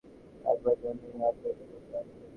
রাখবার জন্যেই অপদেবতা।